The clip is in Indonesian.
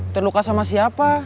terluka sama siapa